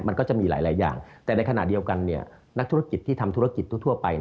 มันก็จะมีหลายอย่างแต่ในขณะเดียวกันนักธุรกิจที่ทำธุรกิจทั่วไป